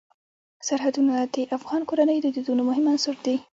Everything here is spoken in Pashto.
سرحدونه د افغان کورنیو د دودونو مهم عنصر دی.